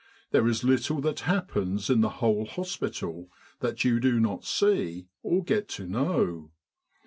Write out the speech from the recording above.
There is little that happens in the whole hos pital that you do not see, or get to know.